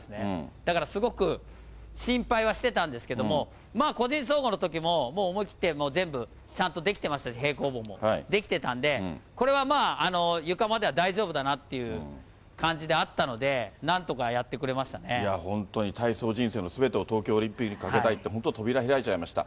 だから、すごく心配はしてたんですけども、まあ、個人総合のときも、もう思い切って、全部ちゃんとできてましたし、平行棒も、できてたんで、これはゆかまでは大丈夫だなっていう感じであったので、いや本当に、体操人生のすべてを東京オリンピックにかけたいって、本当、扉、開いちゃいました。